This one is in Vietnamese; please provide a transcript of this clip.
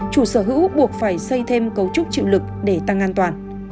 chủ sở hữu buộc phải xây thêm cấu trúc chịu lực để tăng an toàn